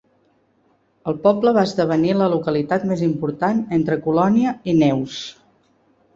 El poble va esdevenir la localitat més important entre Colònia i Neuss.